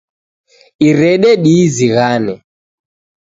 Irede diizinghane